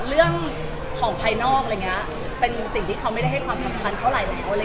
เรื่องของภายนอกอะไรอย่างนี้เป็นสิ่งที่เขาไม่ได้ให้ความสำคัญเท่าไหร่แล้ว